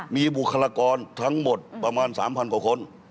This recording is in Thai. มีบุคลากรทั้งหมดประมาณ๓๐๐กว่าคน